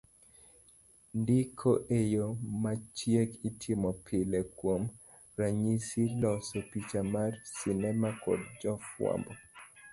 Ndiko e yo machiek itomo pile kuom ranyisi loso picha mar sinema koda jofuambo.